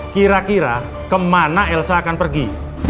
kira kira kemana elsa akan pergi